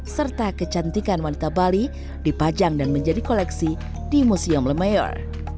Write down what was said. serta kecantikan wanita bali dipajang dan menjadi koleksi di museum lemayor